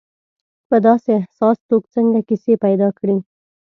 په داسې احساس څوک څنګه کیسې پیدا کړي.